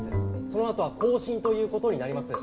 そのあとは更新という事になります。